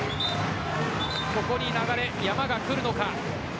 ここに流れ、山がくるのか。